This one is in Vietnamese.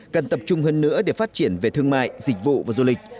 cần tập trung hơn nữa để phát triển về thương mại dịch vụ và du lịch